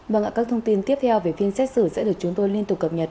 vâng ạ các thông tin tiếp theo về phiên xét xử sẽ được chúng tôi liên tục cập nhật